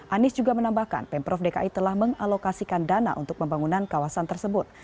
anies juga menambahkan pemprov dki telah mengalokasikan dana untuk pembangunan kawasan tersebut